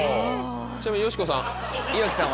ちなみによしこさん。